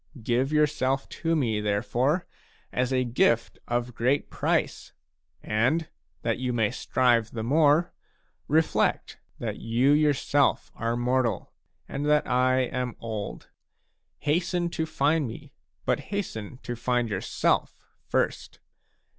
Give yourself to me, therefore, as a gift of great price, and, that you may strive the more, reflect that you yourself are mortal, and that I am old. Hasten to find me, but hasten to find yourself first.